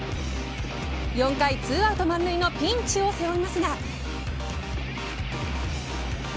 ４回２アウト満塁のピンチを背負いますが。